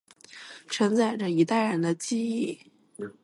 承载着一代人的记忆